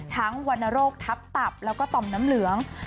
ทั้งวันโรคทับแล้วก็ต่อมน้ำเหลือง